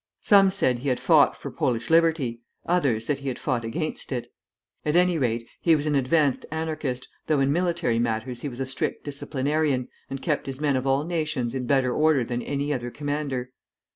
Some said he had fought for Polish liberty, others, that he had fought against it; at any rate, he was an advanced Anarchist, though in military matters he was a strict disciplinarian, and kept his men of all nations in better order than any other commander.